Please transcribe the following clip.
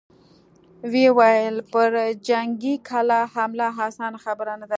ويې ويل: پر جنګي کلا حمله اسانه خبره نه ده!